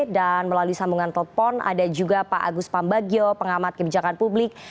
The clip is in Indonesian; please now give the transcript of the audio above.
dan melalui sambungan telepon ada juga pak agus pambagio pengamat kebijakan publik